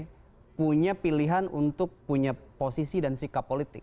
dan itu semua parte punya pilihan untuk punya posisi dan sikap politik